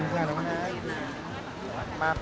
นะโอเค